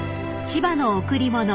［『千葉の贈り物』］